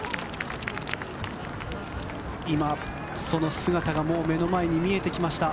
今、その姿がもう目の前に見えてきました。